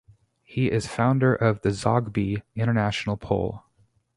He is founder of the Zogby International poll.